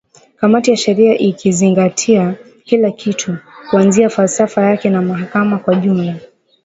kamati ya sheria ikizingatia kila kitu kuanzia falsafa yake ya mahakama kwa ujumla